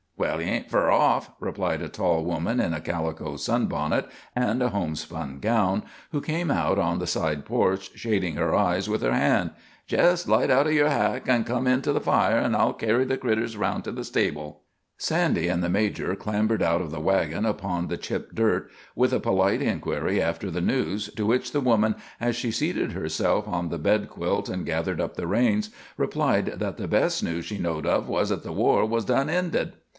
"Well, he ain't fur off," replied a tall woman in a calico sunbonnet and a homespun gown, who came out on the side porch, shading her eyes with her hand. "Jest light out o' yer hack an' come in to the fire, an' I'll carry the critters round to the stable." Sandy and the major clambered out of the wagon upon the chip dirt, with a polite inquiry after the news, to which the woman, as she seated herself on the bedquilt and gathered up the reins, replied that "the best news she knowed of was that the war was done ended."